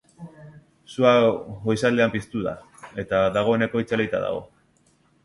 Sua goizaldean piztu da, eta dagoeneko itzalita dago.